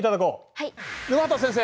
はい。